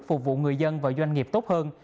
phục vụ người dân và doanh nghiệp tốt hơn